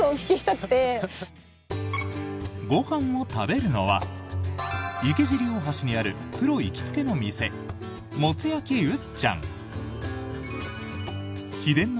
ご飯を食べるのは池尻大橋にあるプロ行きつけの店もつ焼ウッチャン。